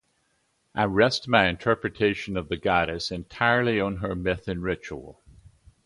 I rest my interpretation of the goddess entirely on her myth and ritual.